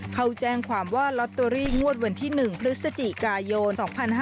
เขาแจ้งความว่าลอตเตอรี่งวดวันที่๑พฤศจิกายน๒๕๕๙